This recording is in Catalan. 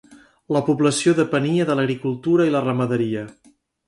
La població depenia de l'agricultura i la ramaderia.